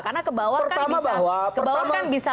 karena kebawah kan bisa